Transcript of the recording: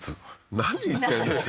何言ってるんですか？